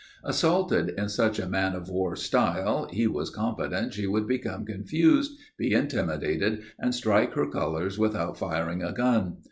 Assaulted in such a man of war style, he was confident she would become confused, be intimidated, and strike her colors without firing a gun.